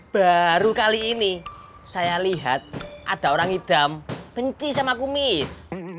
baru kali ini saya lihat ada orang idam benci sama kumis